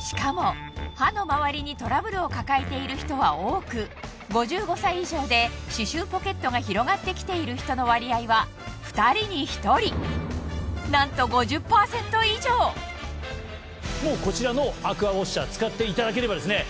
しかも歯の周りにトラブルを抱えている人は多く５５歳以上で歯周ポケットが広がってきている人の割合は２人に１人なんとこちらのアクアウォッシャー使っていただければですね。